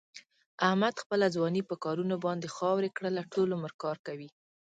احمد خپله ځواني په کارونو باندې خاورې کړله. ټول عمر کار کوي.